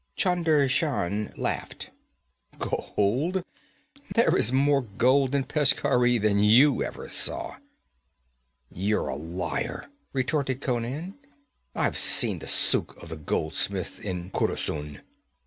Chunder Shan laughed. 'Gold? There is more gold in Peshkhauri than you ever saw.' 'You're a liar,' retorted Conan. 'I've seen the suk of the goldsmiths in Khurusun.'